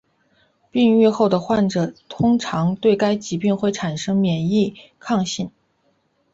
病愈后的患者通常对该疾病会产生免疫抗性。